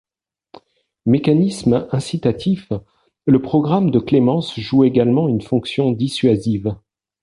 Mécanisme incitatif, le programme de clémence joue également une fonction dissuasive.